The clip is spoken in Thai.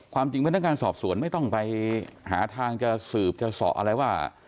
จริงพนักงานสอบสวนไม่ต้องไปหาทางจะสืบจะสอบอะไรว่า